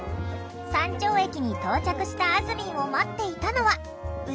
山頂駅に到着したあずみんを待っていたのはどうですか？